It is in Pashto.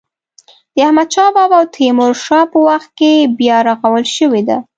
د احمد شا بابا او تیمور شاه په وخت کې بیا رغول شوې ده.